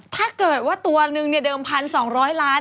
ถ้าตัวนี้ยังเดิม๑๒๐๐ล้าน